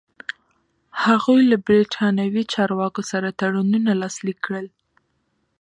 هغوی له برېټانوي چارواکو سره تړونونه لاسلیک کړل.